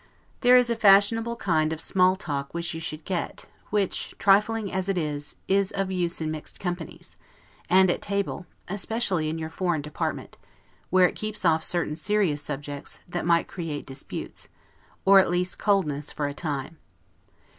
There is a fashionable kind of SMALL TALK which you should get; which, trifling as it is, is of use in mixed companies, and at table, especially in your foreign department; where it keeps off certain serious subjects, that might create disputes, or at least coldness for a time.